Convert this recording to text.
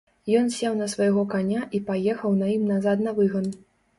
Ён сеў на свайго каня і паехаў на ім назад на выган.